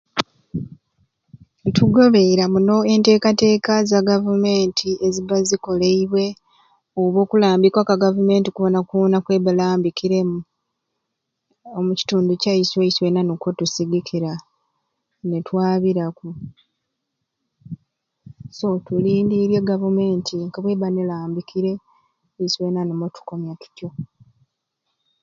Tugobeera muno enteekateeka za gavumenti eziba zikoleibwe oba okulambika kwa gavumenti kwonakwoona kweba erambikiremu omukitundu kyaiswe isweena nikwo tusigikira netwabiraku so tulindiirya e Gavumenti nka neba nga erambikire isweena nimwo tukomya tutyo